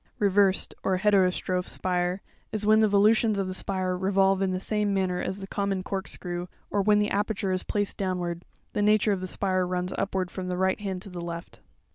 116). Reversed, or heterostrophe spire, is when the volutions of the spire revolve in the same manner as the common corkscrew, or 96 PARTS OF BIVALVE SHELLS. when the aperture is placed downwards, the nature of the spire runs upwards from the right hand to the left (fig.